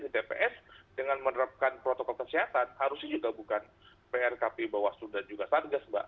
di tps dengan menerapkan protokol kesehatan harusnya juga bukan pr kp bawaslu dan juga satgas mbak